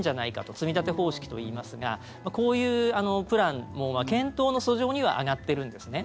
積立方式といいますがこういうプランも検討の俎上には上がっているんですね。